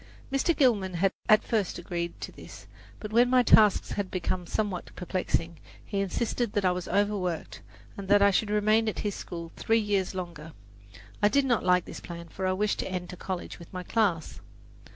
Mr. Gilman at first agreed to this; but when my tasks had become somewhat perplexing, he insisted that I was overworked, and that I should remain at his school three years longer. I did not like his plan, for I wished to enter college with my class.